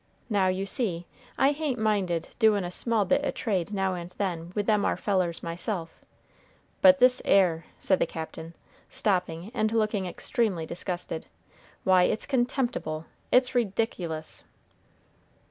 Now, you see, I hain't minded doin' a small bit o' trade now and then with them ar fellers myself; but this 'ere," said the Captain, stopping and looking extremely disgusted, "why, it's contemptible, it's rediculous!"